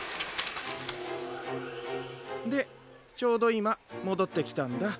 でちょうどいまもどってきたんだ。